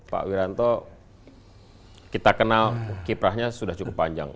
pak wiranto kita kenal kiprahnya sudah cukup panjang